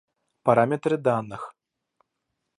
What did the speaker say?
Параметры данных